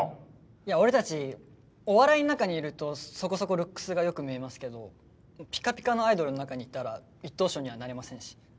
いや俺たちお笑いの中にいるとそこそこルックスが良く見えますけどピカピカのアイドルの中にいたら一等賞にはなれませんし。